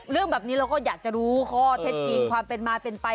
เรื่องแบบนี้เราก็อยากจะรู้ข้อเท็จจริงความเป็นมาเป็นไป